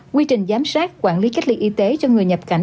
quy trình giám sát quản lý cách ly y tế cho người nhập cảnh